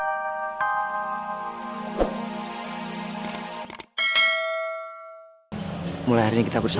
semoga putri bisa bahagia